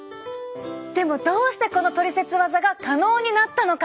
でもどうしてこのトリセツワザが可能になったのか。